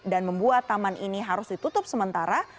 dan membuat taman ini harus ditutup sementara